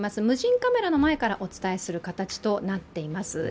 無人カメラの前からお伝えする形となっています。